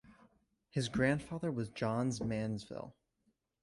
His grandfather was Johns Manville.